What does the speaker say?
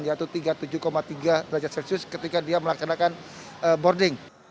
yaitu tiga puluh tujuh tiga derajat celcius ketika dia melaksanakan boarding